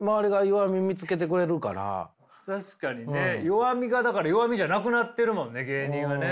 確かにね弱みがだから弱みじゃなくなってるもんね芸人はね。